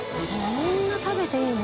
こんなに食べていいの？